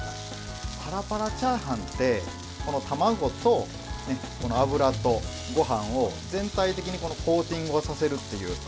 パラパラチャーハンって卵と油とごはんを全体的にコーティングさせるっていう。